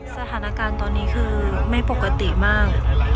สถานการณ์ตอนนี้คือไม่ปกติมาก